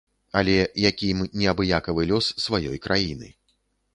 Але якім неабыякавы лёс сваёй краіны.